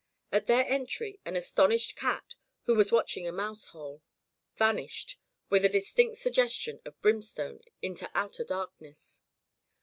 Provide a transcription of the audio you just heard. At their entry an astonished cat, who was watching a mouse hole, van ished, with a distinct suggestion of brimstone into outer darkness.